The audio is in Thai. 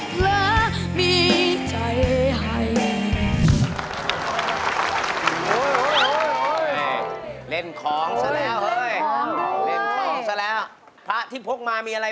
เมื่อนี้เฮียนคอยมันไปป่าซ้ายิดหอย